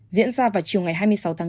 diễn ra vào chiều ngày hai mươi sáu tháng tám